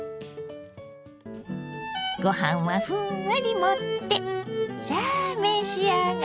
ご飯はふんわり盛ってさあ召し上がれ！